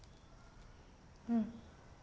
うん。